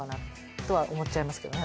とは思っちゃいますけどね